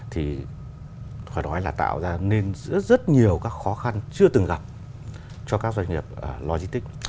thì phải nói là tạo ra nên rất nhiều các khó khăn chưa từng gặp cho các doanh nghiệp logistics